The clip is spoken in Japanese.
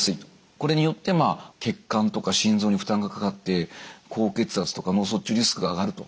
これによって血管とか心臓に負担がかかって高血圧とか脳卒中リスクが上がると。